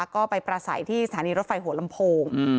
ก็ไปประสัยที่สถานีรถไฟหัวลำโพง